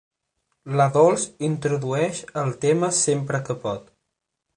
La Dols introdueix el tema sempre que pot.